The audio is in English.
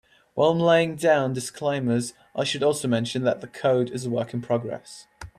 While I'm laying down disclaimers, I should also mention that the code is a work in progress.